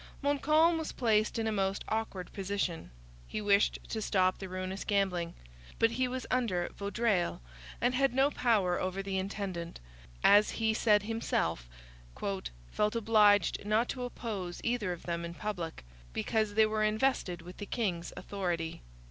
Montcalm was placed in a most awkward position. He wished to stop the ruinous gambling. But he was under Vaudreuil, had no power over the intendant, and, as he said himself, 'felt obliged not to oppose either of them in public, because they were invested with the king's authority.'